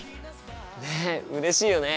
ねっうれしいよね。